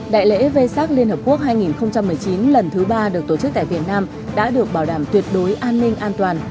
đại lễ vê sát liên hợp quốc hai nghìn một mươi chín lần thứ ba được tổ chức tại việt nam đã được bảo đảm tuyệt đối an ninh an toàn